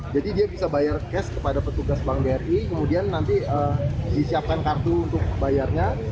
jadi dia bisa bayar cash kepada petugas bank bri kemudian nanti disiapkan kartu untuk bayarnya